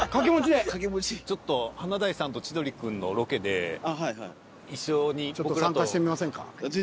ちょっと「華大さんと千鳥くん」のロケで一緒に僕らと。ちょっと参加してみませんか。